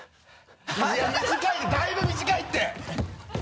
いや短いだいぶ短いって！